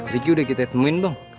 ricky udah kita temuin bang